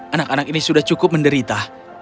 anak anak ini sudah cukup menderita